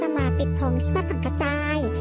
เราก็ปลิดทองที่บ้านสั่งกระจาย